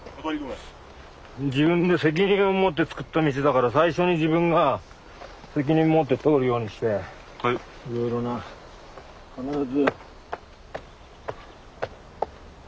自分で責任を持って作った道だから最初に自分が責任持って通るようにしていろいろな必ず。